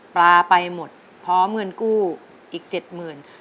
ปลาไปหมดพร้อมเงินกู้อีกเจ็ดหมื่น